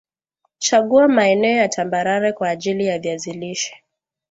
chagua maeneo ya tambarare kwa ajili ya viazi lishe